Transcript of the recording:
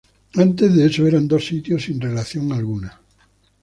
Antes de eso eran dos sitios sin relación alguna.